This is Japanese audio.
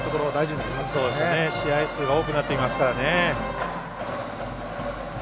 試合数が多くなってきますからね。